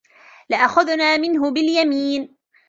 لَأَخَذْنَا مِنْهُ بِالْيَمِينِ